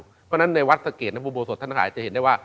เพราะฉะนั้นในวัฒน์สังเกตนักบุโบสถ์ท่านอาจจะเห็นได้ว่า